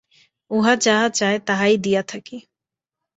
উহা যাহা চায়, তাহাই দিয়া থাকি।